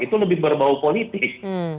itu lebih berbau politik